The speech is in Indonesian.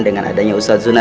dengan adanya ustaz zuna